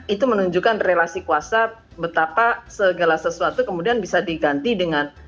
itu menunjukkan relasi kuasa betapa segala sesuatu kemudian bisa diganti dengan